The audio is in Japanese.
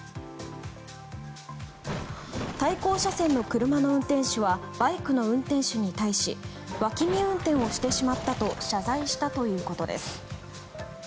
対向車線の車の運転手はバイクの運転手に対し脇見運転をしてしまったと謝罪したということです。